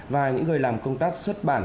và những người làm công tác xuất bản